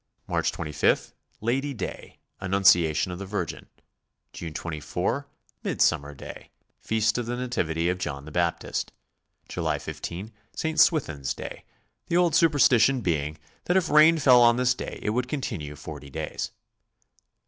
March 25, Lady Day; Annunciation of rhe Virgin. June 24, Midsummer Day, Feast of the Nativity of John the Baptist. July 15, St. Swithin's Day, the old superstition being that if rain fell on this day it would con tinue forty days.